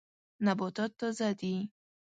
نباتات تازه دي.